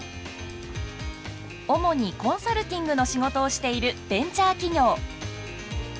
主にコンサルティングの仕事をしているベンチャー企業。